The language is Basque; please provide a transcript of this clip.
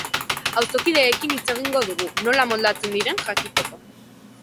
Auzokideekin hitz egingo dugu nola moldatzen diren jakiteko.